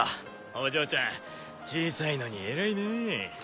お嬢ちゃん小さいのに偉いねぇ。